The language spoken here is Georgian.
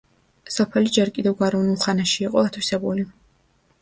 სოფელი ჯერ კიდევ გვაროვნულ ხანაში იყო ათვისებული.